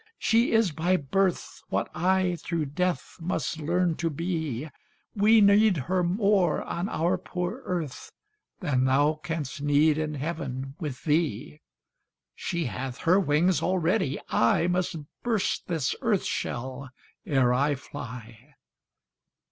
She is by birth What I through death must learn to be, We need her more on our poor earth, Than thou canst need in heaven with thee; She hath her wings already, I Must burst this earth shell ere I fly.